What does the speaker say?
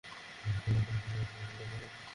আমাদের ব্যাখ্যা করতে দিন।